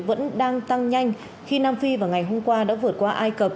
vẫn đang tăng nhanh khi nam phi vào ngày hôm qua đã vượt qua ai cập